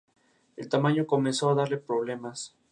El tamaño comenzó a darle problemas.